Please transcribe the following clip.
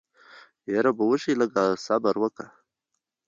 يره وبه شي لږ صبر وکه.